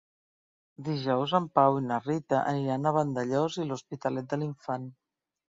Dijous en Pau i na Rita aniran a Vandellòs i l'Hospitalet de l'Infant.